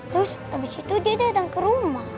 terus habis itu dia datang ke rumah